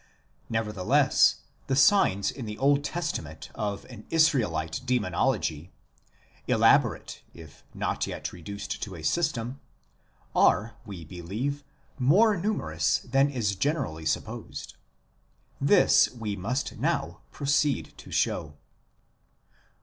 Nevertheless, the signs in the Old Testament of an Israelite Demonology, elaborate if not yet reduced to a system, are, we believe, more numerous than is generally supposed. This we must now proceed to show.